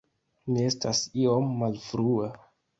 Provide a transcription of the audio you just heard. Mi estas iom malfrua